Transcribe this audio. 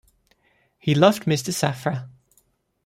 He loved Mr. Safra.